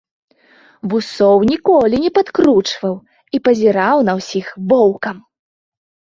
Вусоў ніколі не падкручваў і пазіраў па ўсіх воўкам.